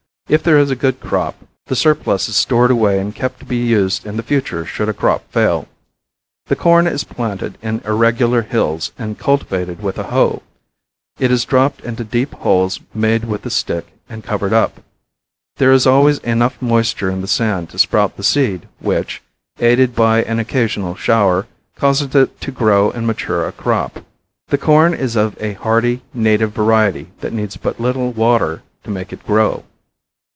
If there is a good crop the surplus is stored away and kept to be used in the future should a crop fail. The corn is planted in irregular hills and cultivated with a hoe. It is dropped into deep holes made with a stick and covered up. There is always enough moisture in the sand to sprout the seed which, aided by an occasional shower, causes it to grow and mature a crop. The corn is of a hardy, native variety that needs but little water to make it grow.